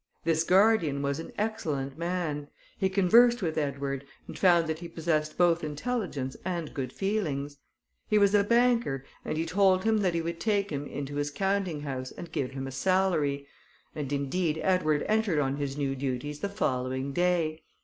This guardian was an excellent man; he conversed with Edward, and found that he possessed both intelligence and good feelings: he was a banker, and he told him that he would take him into his counting house and give him a salary: and, indeed, Edward entered on his new duties the following day.